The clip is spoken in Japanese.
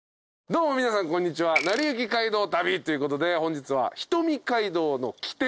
どうも皆さんこんにちは『なりゆき街道旅』ということで本日は。